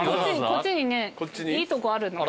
こっちにいいとこあるの。